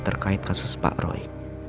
terkait kasus pak roy